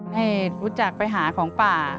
ให้รู้จักไปหาของป่า